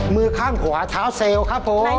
มือข้างขวาเท้าเซลล์ครับผม